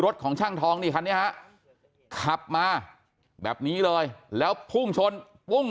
ของช่างทองนี่คันนี้ฮะขับมาแบบนี้เลยแล้วพุ่งชนปุ้ง